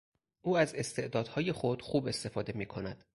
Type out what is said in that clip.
او از استعدادهای خود خوب استفاده میکند.